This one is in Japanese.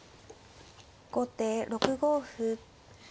後手６五歩。